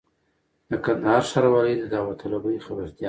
د کندهار ښاروالۍ د داوطلبۍ خبرتیا!